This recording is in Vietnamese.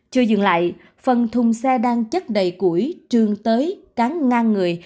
chưa dừng lại phần thùng xe đang chất đầy củi trương tới cáng ngang người